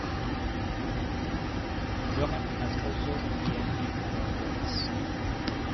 Drummond has also appeared in other works.